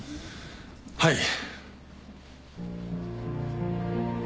はい。